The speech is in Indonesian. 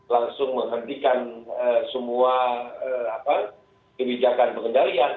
langsung menghentikan semua kebijakan pengendalian